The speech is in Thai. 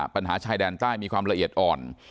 ปัญหาชายแดนใต้มีความละเอียดอ่อน